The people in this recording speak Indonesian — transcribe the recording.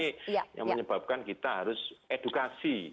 ini yang menyebabkan kita harus edukasi